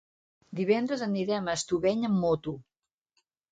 Divendres anirem a Estubeny amb moto.